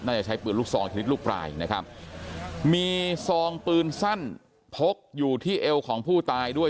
จะใช้ปืนลูกซองชนิดลูกปลายนะครับมีซองปืนสั้นพกอยู่ที่เอวของผู้ตายด้วย